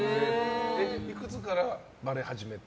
いくつからバレー始めて？